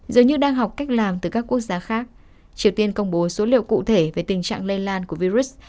dường như đang học cách làm từ các quốc gia khác triều tiên công bố số liệu cụ thể về tình trạng lây lan của virus